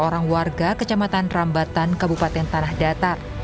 orang warga kecamatan rambatan kabupaten tanah datar